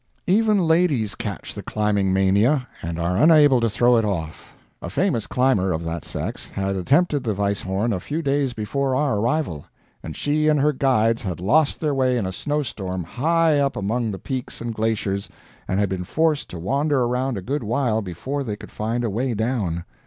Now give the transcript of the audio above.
Even ladies catch the climbing mania, and are unable to throw it off. A famous climber, of that sex, had attempted the Weisshorn a few days before our arrival, and she and her guides had lost their way in a snow storm high up among the peaks and glaciers and been forced to wander around a good while before they could find a way down.